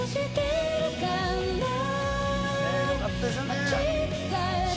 ね、よかったですよね。